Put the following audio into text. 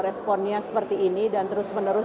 responnya seperti ini dan terus menerus